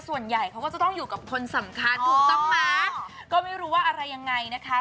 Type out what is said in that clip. ส่วนใหญ่เขาก็จะต้องอยู่กับคนสำคัญถูกต้องไหมก็ไม่รู้ว่าอะไรยังไงนะคะ